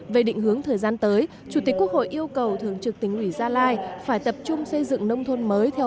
về định hướng thời gian tới chủ tịch quốc hội yêu cầu thường trực tỉnh ủy gia lai phải tập trung xây dựng nông thôn mới